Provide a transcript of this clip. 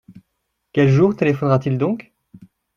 Quel jour téléphonera-t-il donc ?